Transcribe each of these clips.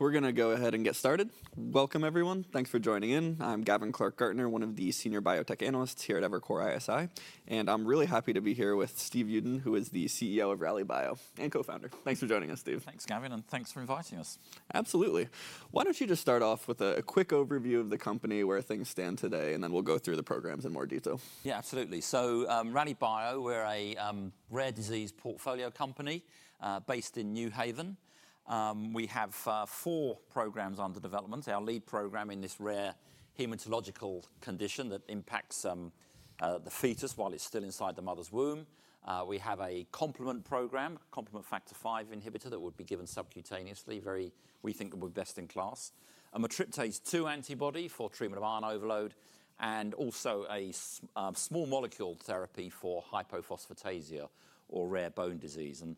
We're going to go ahead and get started. Welcome, everyone. Thanks for joining in. I'm Gavin Clark-Gartner, one of the senior biotech analysts here at Evercore ISI, and I'm really happy to be here with Stephen Uden, who is the CEO of Rallybio and co-founder. Thanks for joining us, Stephen. Thanks, Gavin, and thanks for inviting us. Absolutely. Why don't you just start off with a quick overview of the company where things stand today, and then we'll go through the programs in more detail. Yeah, absolutely. So Rallybio, we're a rare disease portfolio company based in New Haven. We have four programs under development. Our lead program in this rare hematological condition that impacts the fetus while it's still inside the mother's womb. We have a complement program, a complement factor five inhibitor that would be given subcutaneously, very, we think, would be best in class. A Matriptase-2 antibody for treatment of iron overload and also a small molecule therapy for hypophosphatasia or rare bone disease. And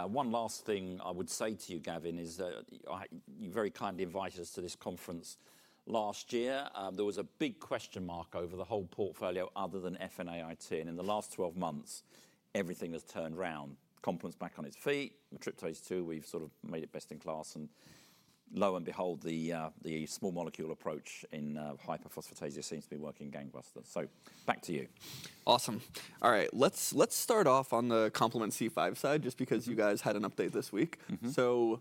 one last thing I would say to you, Gavin, is you very kindly invited us to this conference last year. There was a big question mark over the whole portfolio other than FNAIT, and in the last 12 months, everything has turned around. Complement's back on its feet, Matriptase-2, we've sort of made it best in class, and lo and behold, the small molecule approach in hypophosphatasia seems to be working gangbusters. So back to you. Awesome. All right, let's start off on the complement C5 side just because you guys had an update this week. So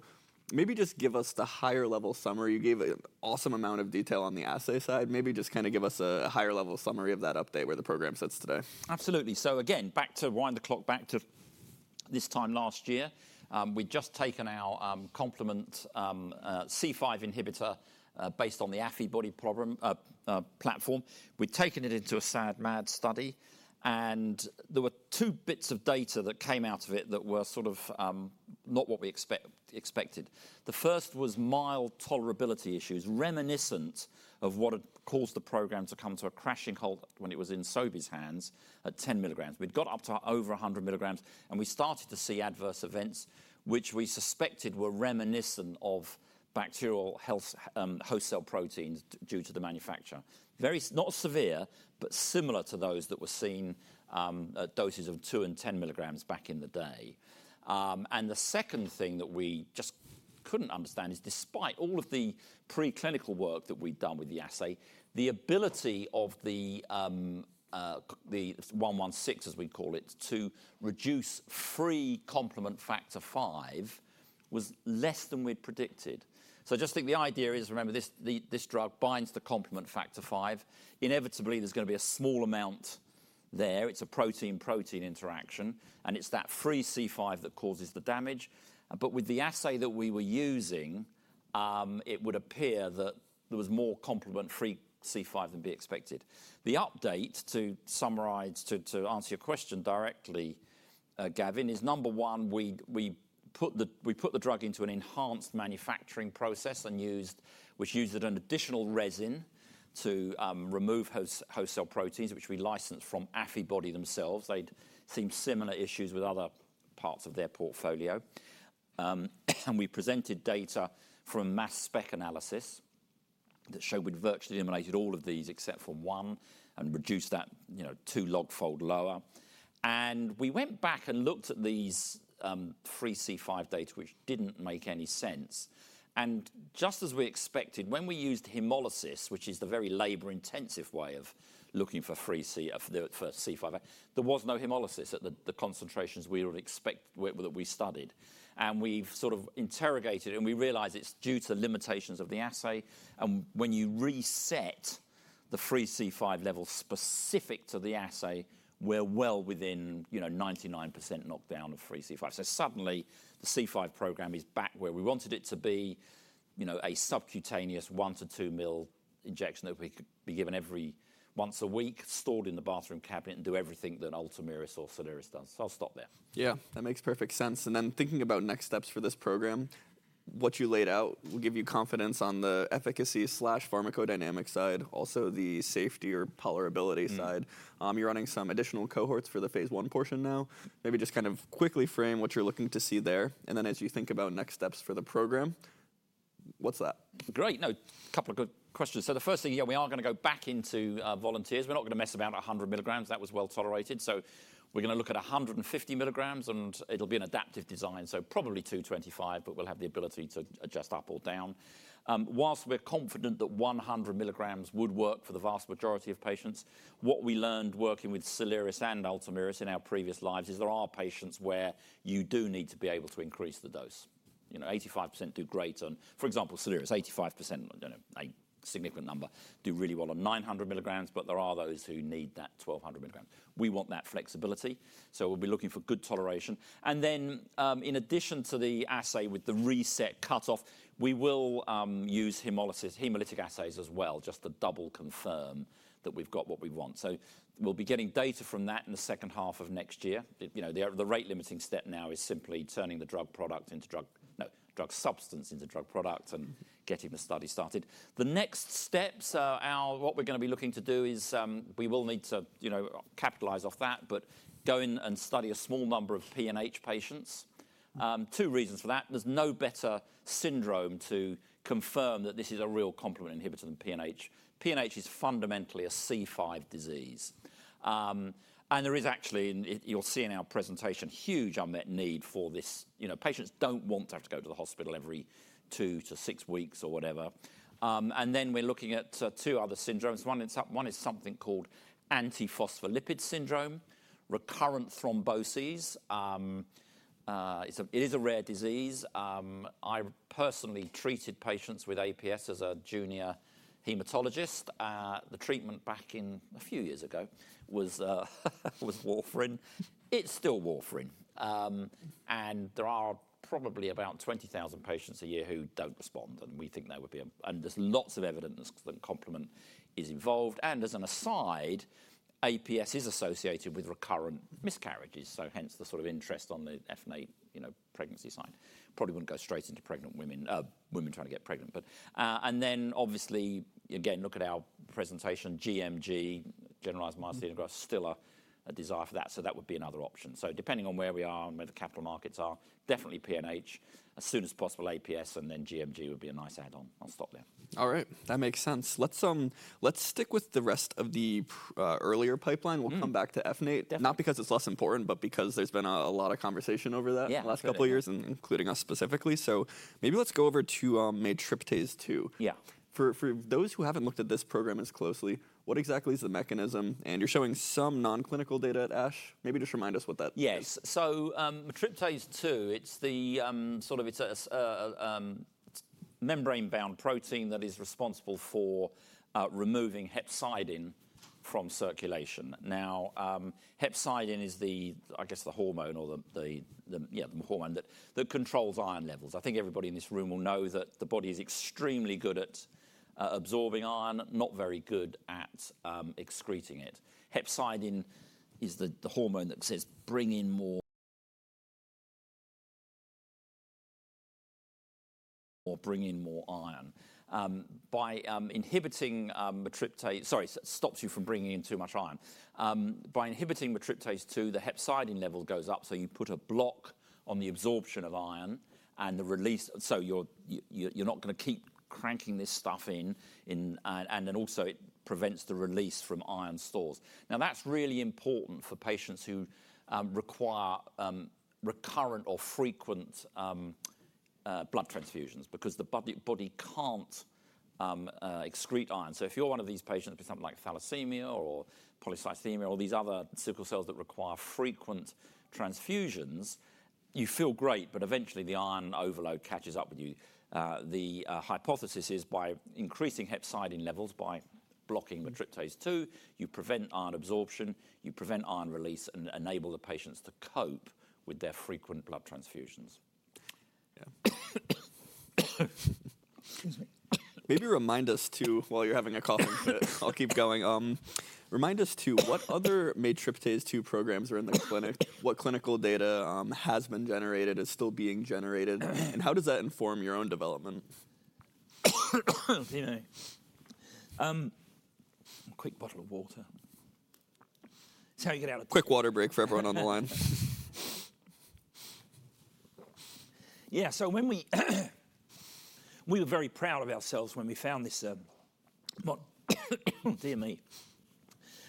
maybe just give us the higher level summary. You gave an awesome amount of detail on the assay side. Maybe just kind of give us a higher level summary of that update where the program sits today. Absolutely. So again, back to wind the clock back to this time last year, we'd just taken our complement C5 inhibitor based on the Affibody platform. We'd taken it into a SAD-MAD study, and there were two bits of data that came out of it that were sort of not what we expected. The first was mild tolerability issues reminiscent of what had caused the program to come to a crashing halt when it was in Sobi's hands at 10 mg. We'd got up to over 100 mg, and we started to see adverse events, which we suspected were reminiscent of bacterial host cell proteins due to the manufacture. Very not severe, but similar to those that were seen at doses of two and 10 mg back in the day. The second thing that we just couldn't understand is, despite all of the preclinical work that we'd done with the assay, the ability of the 116, as we call it, to reduce free complement factor five was less than we'd predicted. I just think the idea is, remember, this drug binds the complement factor five. Inevitably, there's going to be a small amount there. It's a protein-protein interaction, and it's that free C5 that causes the damage. But with the assay that we were using, it would appear that there was more complement free C5 than be expected. The update, to summarize, to answer your question directly, Gavin, is number one, we put the drug into an enhanced manufacturing process, which used an additional resin to remove host cell proteins, which we licensed from Affibody themselves. They'd seen similar issues with other parts of their portfolio. We presented data from mass spec analysis that showed we'd virtually eliminated all of these except for one and reduced that two log fold lower, and we went back and looked at these free C5 data, which didn't make any sense. Just as we expected, when we used hemolysis, which is the very labor-intensive way of looking for free C5, there was no hemolysis at the concentrations we would expect that we studied. We've sort of interrogated it, and we realized it's due to limitations of the assay. When you reset the free C5 level specific to the assay, we're well within 99% knockdown of free C5. Suddenly, the C5 program is back where we wanted it to be, a subcutaneous one to two ml injection that we could be given every once a week, stored in the bathroom cabinet, and do everything that Ultomiris or Soliris does. I'll stop there. Yeah, that makes perfect sense. And then thinking about next steps for this program, what you laid out will give you confidence on the efficacy/pharmacodynamic side, also the safety or tolerability side. You're running some additional cohorts for the phase one portion now. Maybe just kind of quickly frame what you're looking to see there. And then as you think about next steps for the program, what's that? Great. No, a couple of good questions. So the first thing, yeah, we are going to go back into volunteers. We're not going to mess about 100 mg. That was well tolerated. So we're going to look at 150 mg, and it'll be an adaptive design. So probably 225, but we'll have the ability to adjust up or down. While we're confident that 100 mg would work for the vast majority of patients, what we learned working with Soliris and Ultomiris in our previous lives is there are patients where you do need to be able to increase the dose. 85% do great on, for example, Soliris, 85%, a significant number do really well on 900 mg, but there are those who need that 1200 mg. We want that flexibility. So we'll be looking for good toleration. And then, in addition to the assay with the reset cutoff, we will use hemolytic assays as well just to double confirm that we've got what we want. So we'll be getting data from that in the second half of next year. The rate limiting step now is simply turning the drug product into drug, no, drug substance into drug product and getting the study started. The next steps, what we're going to be looking to do is we will need to capitalize off that, but go in and study a small number of PNH patients. Two reasons for that. There's no better syndrome to confirm that this is a real complement inhibitor than PNH. PNH is fundamentally a C5 disease. And there is actually, you'll see in our presentation, huge unmet need for this. Patients don't want to have to go to the hospital every two to six weeks or whatever. And then we're looking at two other syndromes. One is something called antiphospholipid syndrome, recurrent thromboses. It is a rare disease. I personally treated patients with APS as a junior hematologist. The treatment back a few years ago was warfarin. It's still warfarin. And there are probably about 20,000 patients a year who don't respond, and we think there would be a, and there's lots of evidence that complement is involved. And as an aside, APS is associated with recurrent miscarriages, so hence the sort of interest on the FNA pregnancy side. Probably wouldn't go straight into pregnant women, women trying to get pregnant. And then obviously, again, look at our presentation, GMG, generalized myasthenia gravis, still a desire for that. So that would be another option. So depending on where we are and where the capital markets are, definitely PNH, as soon as possible, APS, and then GMG would be a nice add-on. I'll stop there. All right, that makes sense. Let's stick with the rest of the earlier pipeline. We'll come back to FNA, not because it's less important, but because there's been a lot of conversation over that last couple of years, including us specifically. So maybe let's go over to Matriptase-2. For those who haven't looked at this program as closely, what exactly is the mechanism? And you're showing some non-clinical data at ASH. Maybe just remind us what that is. Yes. So Matriptase-2, it's the sort of membrane-bound protein that is responsible for removing hepcidin from circulation. Now, hepcidin is the, I guess, the hormone or the, yeah, the hormone that controls iron levels. I think everybody in this room will know that the body is extremely good at absorbing iron, not very good at excreting it. Hepcidin is the hormone that says, bring in more. Or bring in more iron. By inhibiting Matriptase-2, sorry, stops you from bringing in too much iron. By inhibiting Matriptase-2, the hepcidin level goes up, so you put a block on the absorption of iron and the release. So you're not going to keep cranking this stuff in, and then also it prevents the release from iron stores. Now, that's really important for patients who require recurrent or frequent blood transfusions because the body can't excrete iron. So if you're one of these patients, for example, like thalassemia or polycythemia or these other sickle cells that require frequent transfusions, you feel great, but eventually the iron overload catches up with you. The hypothesis is by increasing hepcidin levels by blocking Matriptase-2, you prevent iron absorption, you prevent iron release, and enable the patients to cope with their frequent blood transfusions. Yeah. Excuse me. Maybe remind us to, while you're having a coughing fit, I'll keep going. Remind us to what other Matriptase-2 programs are in the clinic, what clinical data has been generated, is still being generated, and how does that inform your own development? PNH. Quick bottle of water. It's how you get out of. Quick water break for everyone on the line. Yeah, so when we were very proud of ourselves when we found this, dear me,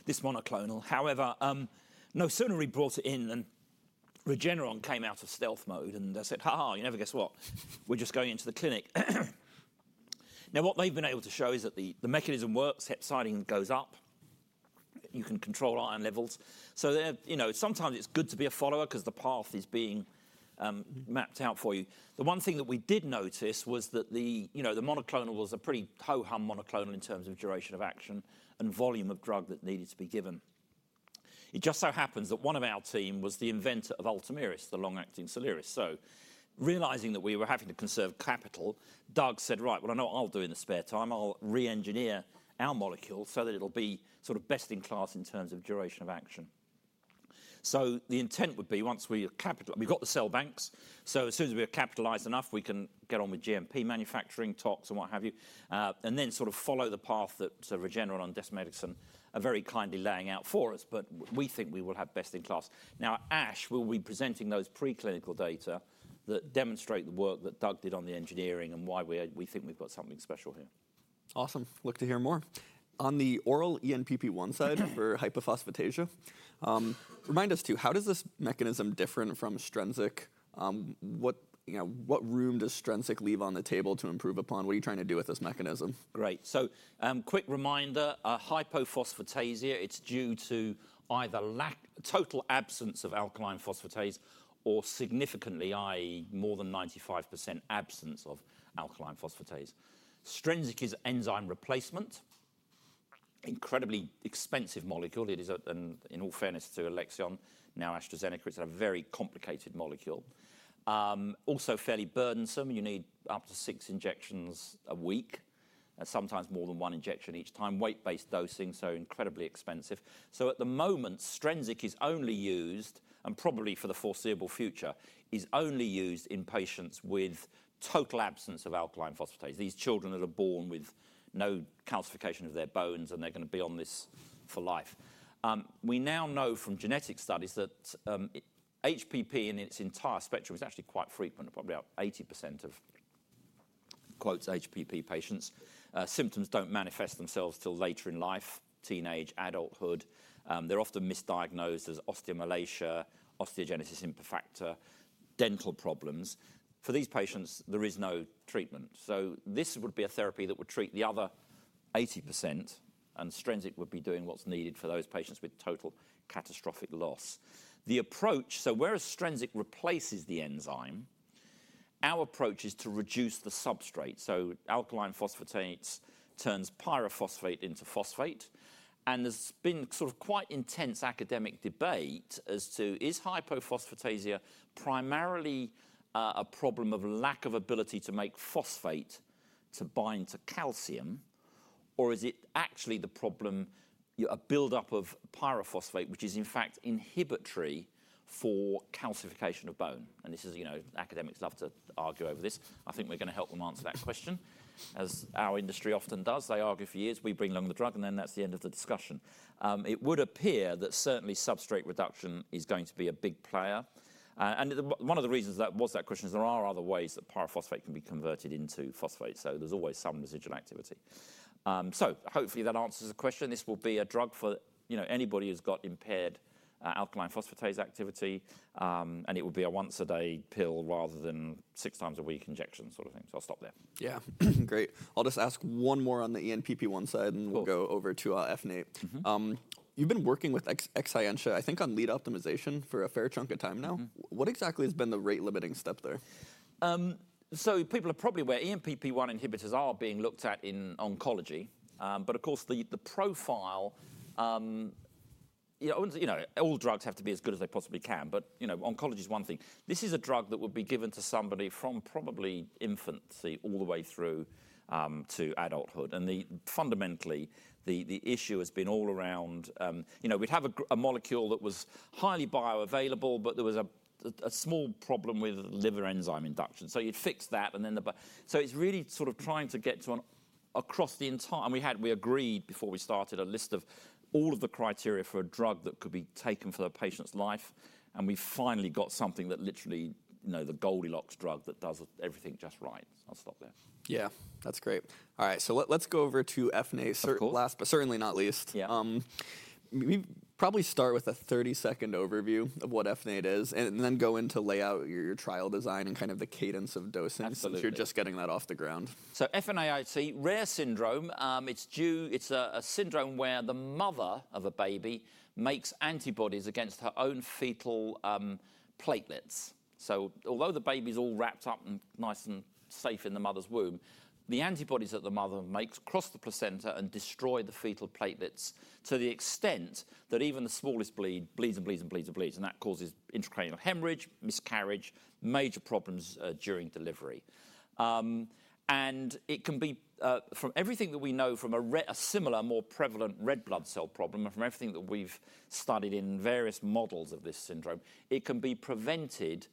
this monoclonal. However, no sooner had we brought it in than Regeneron came out of stealth mode and said, haha, you never guess what. We're just going into the clinic. Now, what they've been able to show is that the mechanism works, hepcidin goes up, you can control iron levels. So sometimes it's good to be a follower because the path is being mapped out for you. The one thing that we did notice was that the monoclonal was a pretty ho-hum monoclonal in terms of duration of action and volume of drug that needed to be given. It just so happens that one of our team was the inventor of Ultomiris, the long-acting Soliris. So realizing that we were having to conserve capital, Doug said, "Right, well, I know what I'll do in the spare time. I'll re-engineer our molecule so that it'll be sort of best in class in terms of duration of action." So the intent would be once we capitalized, we've got the cell banks. So as soon as we're capitalized enough, we can get on with GMP manufacturing talks and what have you, and then sort of follow the path that Regeneron and Disc Medicine are very kindly laying out for us, but we think we will have best in class. Now, ASH will be presenting those preclinical data that demonstrate the work that Doug did on the engineering and why we think we've got something special here. Awesome. Look to hear more. On the oral ENPP1 side for hypophosphatasia, remind us, how does this mechanism differ from Strensiq? What room does Strensiq leave on the table to improve upon? What are you trying to do with this mechanism? Great. So quick reminder, hypophosphatasia, it's due to either total absence of alkaline phosphatase or significantly, i.e., more than 95% absence of alkaline phosphatase. Strensiq is enzyme replacement. Incredibly expensive molecule. It is, in all fairness to Alexion, now AstraZeneca. It's a very complicated molecule. Also fairly burdensome. You need up to six injections a week, sometimes more than one injection each time. Weight-based dosing, so incredibly expensive. So at the moment, Strensiq is only used, and probably for the foreseeable future, is only used in patients with total absence of alkaline phosphatase. These children that are born with no calcification of their bones, and they're going to be on this for life. We now know from genetic studies that HPP in its entire spectrum is actually quite frequent. Probably about 80% of so-called HPP patients. Symptoms don't manifest themselves till later in life, teenage, adulthood. They're often misdiagnosed as osteomalacia, osteogenesis imperfecta, dental problems. For these patients, there is no treatment. So this would be a therapy that would treat the other 80%, and Strensiq would be doing what's needed for those patients with total catastrophic loss. The approach, so whereas Strensiq replaces the enzyme, our approach is to reduce the substrate. So alkaline phosphatase turns pyrophosphate into phosphate. And there's been sort of quite intense academic debate as to is hypophosphatasia primarily a problem of lack of ability to make phosphate to bind to calcium, or is it actually the problem of a buildup of pyrophosphate, which is in fact inhibitory for calcification of bone? And this is, academics love to argue over this. I think we're going to help them answer that question, as our industry often does. They argue for years. We bring along the drug, and then that's the end of the discussion. It would appear that certainly substrate reduction is going to be a big player. And one of the reasons that was that question is there are other ways that pyrophosphate can be converted into phosphate. So there's always some residual activity. So hopefully that answers the question. This will be a drug for anybody who's got impaired alkaline phosphatase activity, and it will be a once-a-day pill rather than six times a week injection sort of thing. So I'll stop there. Yeah, great. I'll just ask one more on the ENPP1 side, and we'll go over to FNA. You've been working with Exscientia, I think on lead optimization for a fair chunk of time now. What exactly has been the rate limiting step there? People are probably aware ENPP1 inhibitors are being looked at in oncology. But of course, the profile. All drugs have to be as good as they possibly can, but oncology is one thing. This is a drug that would be given to somebody from probably infancy all the way through to adulthood. And fundamentally, the issue has been all around. We'd have a molecule that was highly bio available, but there was a small problem with liver enzyme induction. So you'd fix that, and then so it's really sort of trying to get to an across the entire, and we agreed before we started a list of all of the criteria for a drug that could be taken for the patient's life. And we finally got something that literally the Goldilocks drug that does everything just right. I'll stop there. Yeah, that's great. All right, so let's go over to FNAIT last, but certainly not least. We probably start with a 30-second overview of what FNAIT is and then go into lay out your trial design and kind of the cadence of dosing since you're just getting that off the ground. So FNAIT, rare syndrome, it's a syndrome where the mother of a baby makes antibodies against her own fetal platelets. So although the baby's all wrapped up and nice and safe in the mother's womb, the antibodies that the mother makes cross the placenta and destroy the fetal platelets to the extent that even the smallest bleed, bleeds and bleeds and bleeds and bleeds, and that causes intracranial hemorrhage, miscarriage, major problems during delivery. And it can be from everything that we know from a similar, more prevalent red blood cell problem and from everything that we've studied in various models of this syndrome, it can be prevented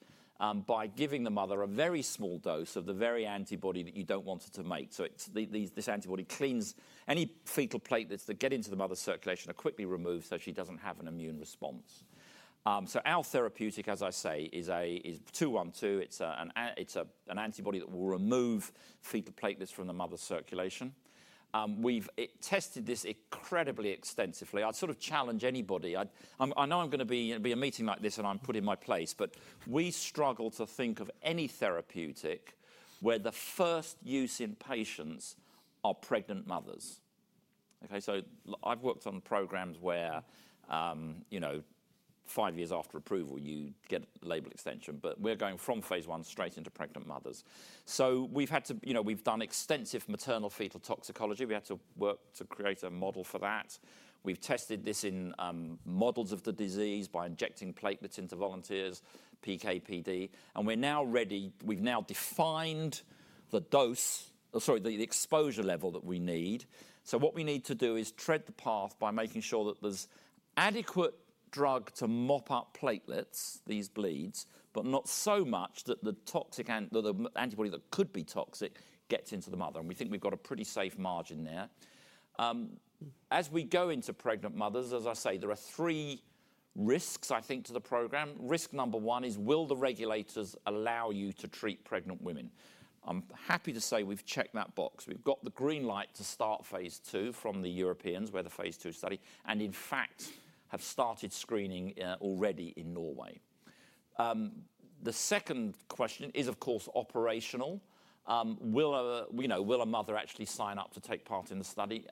by giving the mother a very small dose of the very antibody that you don't want it to make. So this antibody cleans any fetal platelets that get into the mother's circulation are quickly removed so she doesn't have an immune response. So our therapeutic, as I say, is two-one-two. It's an antibody that will remove fetal platelets from the mother's circulation. We've tested this incredibly extensively. I'd sort of challenge anybody. I know I'm going to be in a meeting like this and I'm put in my place, but we struggle to think of any therapeutic where the first use in patients are pregnant mothers. Okay, so I've worked on programs where five years after approval, you get label extension, but we're going from phase one straight into pregnant mothers. So we've had to, we've done extensive maternal fetal toxicology. We had to work to create a model for that. We've tested this in models of the disease by injecting platelets into volunteers, PKPD, and we're now ready. We've now defined the dose, sorry, the exposure level that we need. So what we need to do is tread the path by making sure that there's adequate drug to mop up platelets, these bleeds, but not so much that the antibody that could be toxic gets into the mother. And we think we've got a pretty safe margin there. As we go into pregnant mothers, as I say, there are three risks, I think, to the program. Risk number one is, will the regulators allow you to treat pregnant women? I'm happy to say we've checked that box. We've got the green light to start phase two from the Europeans, where the phase two study and in fact have started screening already in Norway. The second question is, of course, operational. Will a mother actually sign up to take part in the study?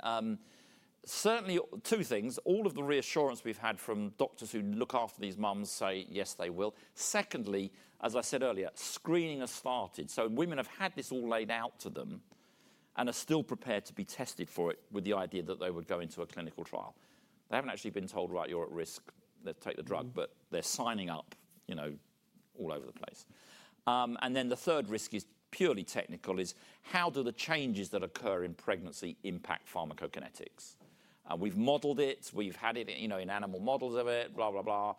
Certainly two things. All of the reassurance we've had from doctors who look after these moms say, yes, they will. Secondly, as I said earlier, screening has started. So women have had this all laid out to them and are still prepared to be tested for it with the idea that they would go into a clinical trial. They haven't actually been told, right, you're at risk, let's take the drug, but they're signing up all over the place. And then the third risk is purely technical: how do the changes that occur in pregnancy impact pharmacokinetics? We've modeled it. We've had it in animal models of it, blah, blah, blah.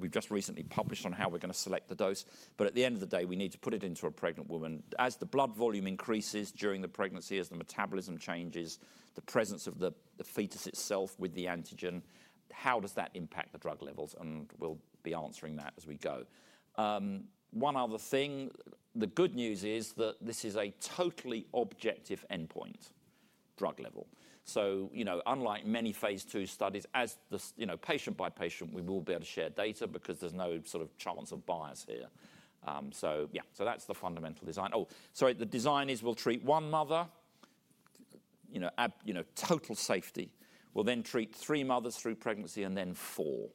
We've just recently published on how we're going to select the dose. But at the end of the day, we need to put it into a pregnant woman. As the blood volume increases during the pregnancy, as the metabolism changes, the presence of the fetus itself with the antigen, how does that impact the drug levels? And we'll be answering that as we go. One other thing, the good news is that this is a totally objective endpoint drug level. So unlike many phase two studies, as patient by patient, we will be able to share data because there's no sort of chance of bias here. So yeah, so that's the fundamental design. Oh, sorry, the design is we'll treat one mother, total safety. We'll then treat three mothers through pregnancy and then four.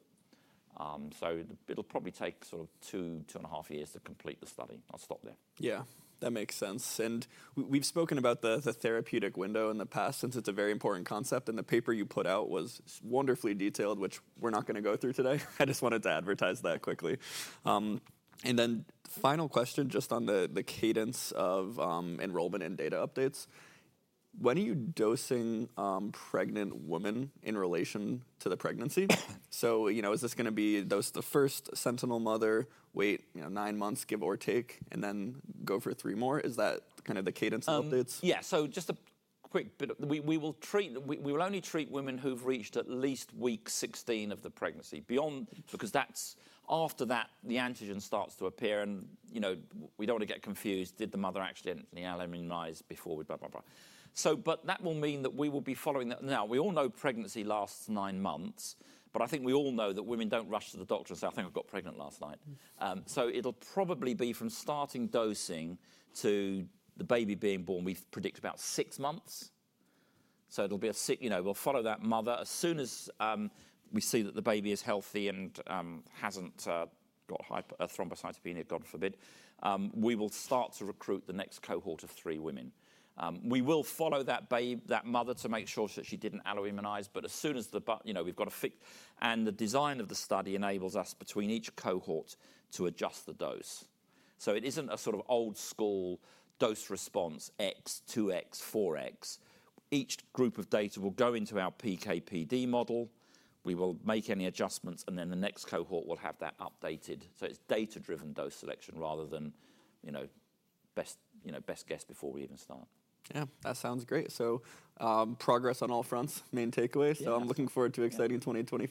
So it'll probably take sort of two, two and a half years to complete the study. I'll stop there. Yeah, that makes sense. And we've spoken about the therapeutic window in the past since it's a very important concept. And the paper you put out was wonderfully detailed, which we're not going to go through today. I just wanted to advertise that quickly. And then final question just on the cadence of enrollment and data updates. When are you dosing pregnant women in relation to the pregnancy? So is this going to be the first sentinel mother, wait nine months, give or take, and then go for three more? Is that kind of the cadence of updates? Yeah, so just a quick bit. We will only treat women who've reached at least week 16 of the pregnancy beyond because that's after that the antigen starts to appear, and we don't want to get confused. Did the mother actually end up immunized before we blah, blah, blah, but that will mean that we will be following that. Now, we all know pregnancy lasts nine months, but I think we all know that women don't rush to the doctor and say, I think I've got pregnant last night, so it'll probably be from starting dosing to the baby being born, we've predicted about six months, so it'll be a, we'll follow that mother. As soon as we see that the baby is healthy and hasn't got thrombocytopenia, God forbid, we will start to recruit the next cohort of three women. We will follow that mother to make sure that she didn't alloimmunize, but as soon as we've got a fix, and the design of the study enables us between each cohort to adjust the dose. It isn't a sort of old school dose response x, two x, four x. Each group of data will go into our PKPD model. We will make any adjustments, and then the next cohort will have that updated. It's data-driven dose selection rather than best guess before we even start. Yeah, that sounds great. So progress on all fronts, main takeaway. So I'm looking forward to exciting 2020.